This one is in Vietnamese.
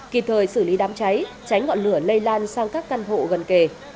kịp thời xử lý đám cháy tránh ngọn lửa lây lan sang các căn hộ gần kề